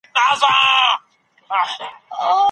په خپل مسلک کي به پرمختګ کوئ.